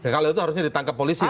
kalau itu harusnya ditangkap polisi